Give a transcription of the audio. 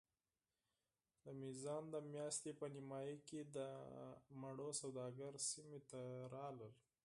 د میزان د میاشتې په نیمایي کې د مڼو سوداګر سیمې ته راغلل.